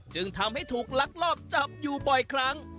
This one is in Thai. จึงทำให้ถูกลักลอบจับอยู่บ่อยครั้ง